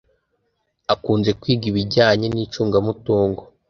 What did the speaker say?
Akunze kwiga ibijyanye n’icungamutungo